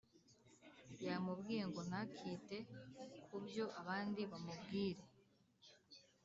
yamubwiye ngo nta kite kubyo abandi bamubwire